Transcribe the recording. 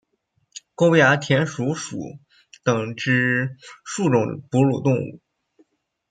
沟牙田鼠属等之数种哺乳动物。